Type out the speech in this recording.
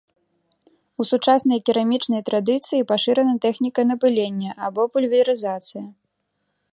У сучаснай керамічнай традыцыі пашырана тэхніка напылення, або пульверызацыя.